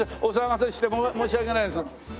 お騒がせして申し訳ないです。